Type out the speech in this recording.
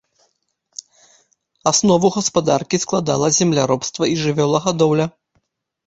Аснову гаспадаркі складала земляробства і жывёлагадоўля.